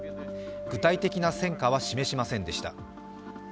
具体的な戦果は示しませんでした。